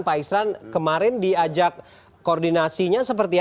pak isran kemarin diajak koordinasinya